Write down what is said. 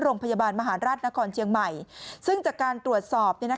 โรงพยาบาลมหาราชนครเชียงใหม่ซึ่งจากการตรวจสอบ